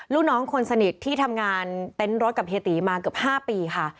ลูกน้องคนสนิทที่ทำงานเต็นต์รถกับเฮียตีมาเกือบ๕ปีค่ะ